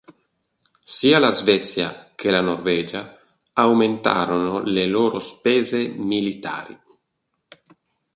Sia la Svezia che la Norvegia aumentarono le loro spese militari.